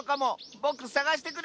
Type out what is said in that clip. ぼくさがしてくる！